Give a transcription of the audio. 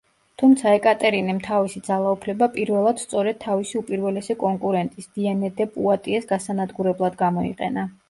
თუმცა ეკატერინემ თავისი ძალაუფლება პირველად სწორედ თავისი უპირველესი კონკურენტის დიანა დე პუატიეს გასანადგურებლად გამოიყენა.